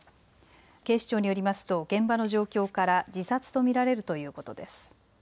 警視庁によりますと現場の状況から自殺と見られるということです。